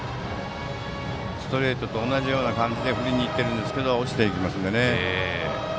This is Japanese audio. ストレートと同じような感じで振りに行ってますが落ちていきますからね。